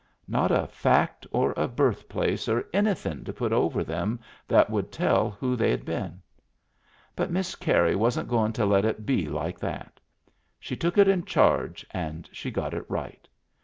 Not a fact or a birthplace or an3rthin' to put over them that would tell who they had been. But Miss Carey wasn*t goin' to let it be like that. She took it in charge and she got it right.